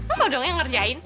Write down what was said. mau dong yang ngerjain